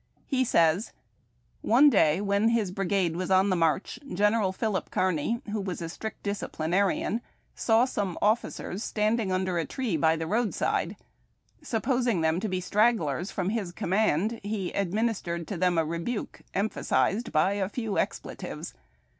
He says :—" One day, when his brigade was on the march, General Philip Kearn}', who was a strict disciplinarian, saw some officers standing under a tree by the roadside ; supposing them to be stragglers from his command, he administered to them a rebuke, emphasized by a few expletives.